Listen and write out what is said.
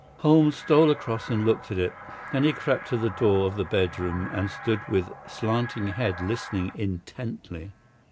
Holmes stole across and looked at it. Then he crept to the door of the bedroom, and stood with slanting head listening intently.